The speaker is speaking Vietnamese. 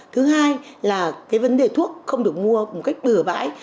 thứ hai là cái vấn đề thuốc không được mua một cách bừa bãi